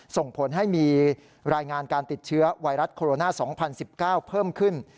ส่งผลให้มีรายงานการติดเชื้อไวรัสโคโรนา๒๐๑๙เพิ่มขึ้น